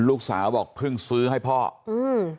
ส่วนเรื่องทางคดีนะครับตำรวจก็มุ่งไปที่เรื่องการฆาตฉิงทรัพย์นะครับ